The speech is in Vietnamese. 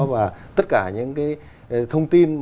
và tất cả những thông tin